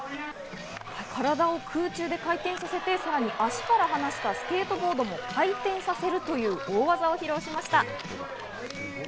体を空中で回転させて，さらに足から離したスケートボードも回転させるという大技を披露しました。